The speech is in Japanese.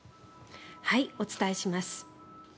お伝えします。